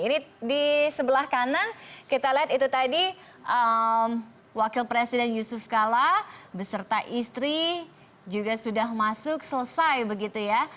ini di sebelah kanan kita lihat itu tadi wakil presiden yusuf kala beserta istri juga sudah masuk selesai begitu ya